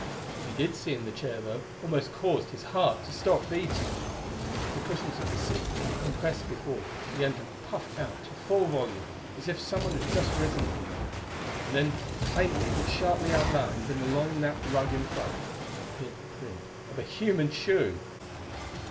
What he did see in the chair, though, almost caused his heart to stop beating. The cushions of the seat, compressed before, began to puff out to full volume, as if someone had just risen from them. And then, faintly but sharply outlined in the long napped rug in front, appeared the print of a human shoe!